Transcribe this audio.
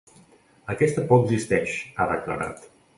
Aquesta por existeix, ha declarat.